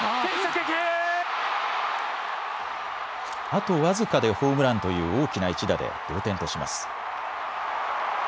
あと僅かでホームランという大きな１打で同点とします。